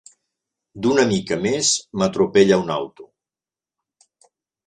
D'una mica més m'atropella un auto.